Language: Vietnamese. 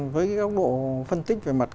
với cái góc độ phân tích về mặt